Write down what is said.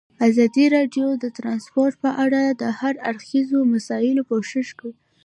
ازادي راډیو د ترانسپورټ په اړه د هر اړخیزو مسایلو پوښښ کړی.